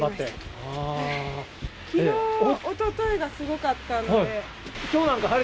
きのう、おとといがすごかったので。